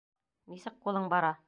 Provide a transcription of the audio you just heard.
Нисек ҡулың бара?